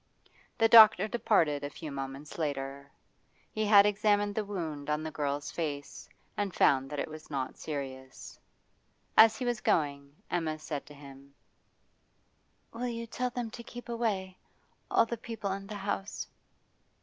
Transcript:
The doctor departed a few moments later. He had examined the wound on the girl's face, and found that it was not serious. As he was going, Emma said to him: 'Will you tell them to keep away all the people in the house?